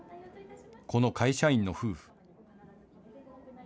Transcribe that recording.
この会社員の夫婦。